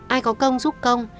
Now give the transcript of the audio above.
ai có công giúp công